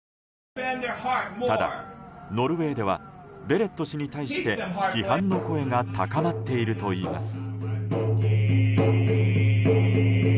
ただノルウェーではベレット氏に対して批判の声が高まっているといいます。